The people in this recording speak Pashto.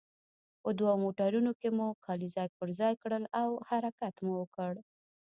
په دوو موټرونو کې مو کالي ځای پر ځای کړل او حرکت مو وکړ.